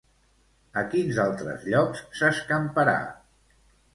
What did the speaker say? A quins altres llocs s'escamparà?